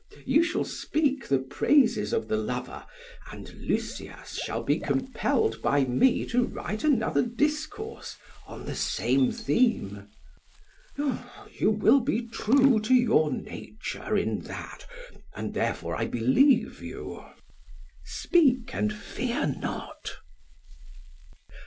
You shall speak the praises of the lover, and Lysias shall be compelled by me to write another discourse on the same theme. SOCRATES: You will be true to your nature in that, and therefore I believe you. PHAEDRUS: Speak, and fear not.